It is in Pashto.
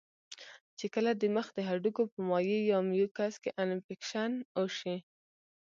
چې کله د مخ د هډوکو پۀ مائع يا ميوکس کې انفکشن اوشي